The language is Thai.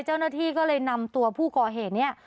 เจ้าหน้าที่ก็เลยนำตัวผู้ก่อเหตุเนี่ย